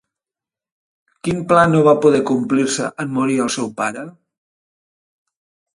Quin pla no va poder complir-se en morir el seu pare?